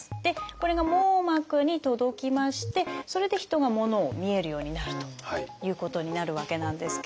これが網膜に届きましてそれで人が物を見えるようになるということになるわけなんですけれども。